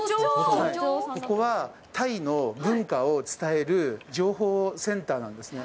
ここはタイの文化を伝える情報センターなんですね。